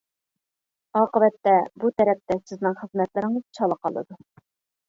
ئاقىۋەتتە بۇ تەرەپتە سىزنىڭ خىزمەتلىرىڭىز چالا قالىدۇ.